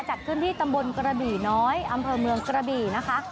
จัดขึ้นที่ตำบลกระบี่น้อยอำเภอเมืองกระบี่นะคะ